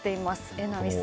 榎並さん。